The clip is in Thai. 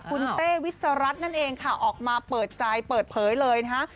คุณเต้วิสรัฐนั่นเองค่ะออกมาเปิดใจเปิดเผยเลยนะฮะ